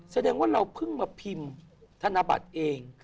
แสดงว่าเราเพิ่งมาพิมพ์ธนบัตรเอง